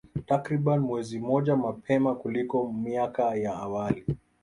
Takriban mwezi mmoja mapema kuliko miaka ya awali